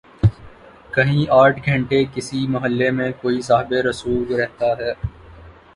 کہیں آٹھ گھنٹے کسی محلے میں کوئی صاحب رسوخ رہتا ہے۔